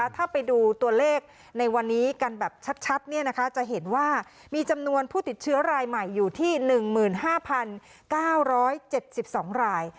ถ้าไปดูตัวเลขในวันนี้กันแบบชัดจะเห็นว่ามีจำนวนผู้ติดเชื้อรายใหม่อยู่ที่๑๕๙๗๒ราย